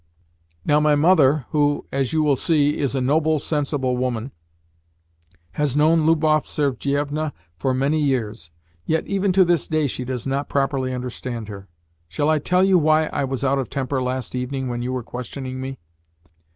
Now, my mother who, as you will see, is a noble, sensible woman has known Lubov Sergievna, for many years; yet even to this day she does not properly understand her. Shall I tell you why I was out of temper last evening when you were questioning me?